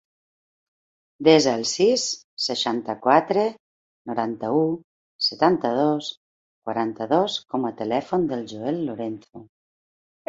Desa el sis, seixanta-quatre, noranta-u, setanta-dos, quaranta-dos com a telèfon del Joel Lorenzo.